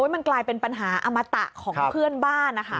มันกลายเป็นปัญหาอมตะของเพื่อนบ้านนะคะ